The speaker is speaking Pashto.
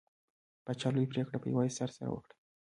پاچا لوې پرېکړې په يوازې سر سره کوي .